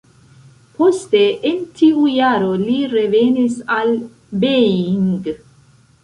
Poste en tiu jaro li revenis al Beijing.